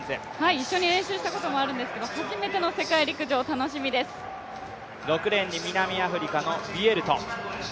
一緒に練習したこともあるんですが初めての世界陸上６レーンに南アフリカのビエルト。